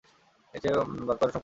এর চেয়ে বাক্য আর সংক্ষেপ করা যায় না।